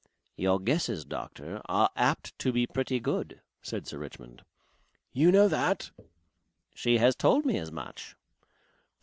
"Your guesses, doctor, are apt to be pretty good," said Sir Richmond. "You know that?" "She has told me as much."